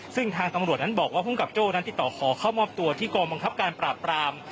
ซึ่งทางตำรวจนั้นบอกว่าภูมิกับโจ้นั้นติดต่อขอเข้ามอบตัวที่กองบังคับการปราบปราม